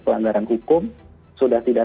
kelanggaran hukum sudah tidak